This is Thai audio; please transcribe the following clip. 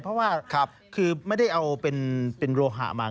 เพราะว่าคือไม่ได้เอาเป็นโลหะมา